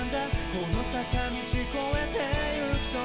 この坂道超えて行くと」